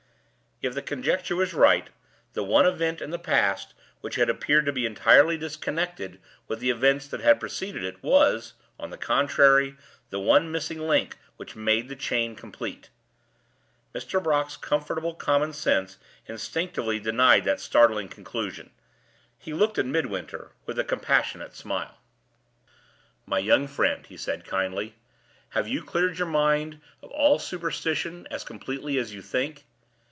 If the conjecture was right, the one event in the past which had appeared to be entirely disconnected with the events that had preceded it was, on the contrary, the one missing link which made the chain complete. Mr. Brock's comfortable common sense instinctively denied that startling conclusion. He looked at Midwinter with a compassionate smile. "My young friend," he said, kindly, "have you cleared your mind of all superstition as completely as you think?